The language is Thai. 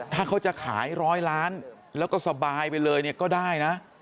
ถ้าเขาจะขายร้อยล้านแล้วก็สบายไปเลยเนี่ยก็ได้นะ